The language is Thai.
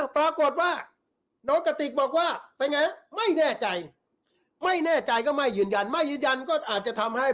ปรากฏว่าน้องกติกบอกว่าเป็นไงไม่แน่ใจไม่แน่ใจก็ไม่ยืนยันไม่ยืนยันก็อาจจะทำให้